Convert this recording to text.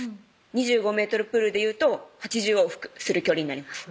２５ｍプールでいうと８０往復する距離になります